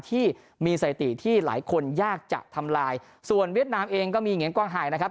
ที่มีสถิติที่หลายคนยากจะทำลายส่วนเวียดนามเองก็มีเหงียนกว้างหายนะครับ